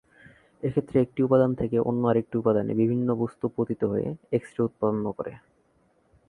এক্ষেত্রে একটি উপাদান থেকে অন্য আরেকটি উপাদানে বিভিন্ন বস্তু পতিত হয়ে এক্স-রে উৎপন্ন করে।